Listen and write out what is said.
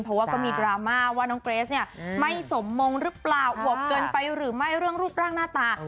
เพราะว่าก็มีดราม่าว่าน้องเกรสเนี่ยไม่สมมงหรือเปล่าอวบเกินไปหรือไม่เรื่องรูปร่างหน้าตา